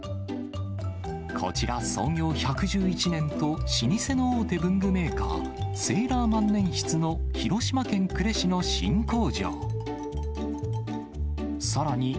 こちら、創業１１１年と、老舗の大手文具メーカー、セーラー万年筆の広島県呉市の新工場。